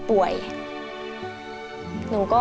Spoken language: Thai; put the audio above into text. ขอบคุณมากครับ